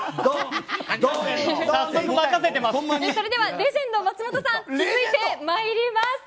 それではレジェンド松本さん続いてまいります。